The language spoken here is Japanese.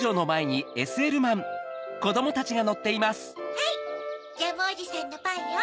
はいジャムおじさんのパンよ。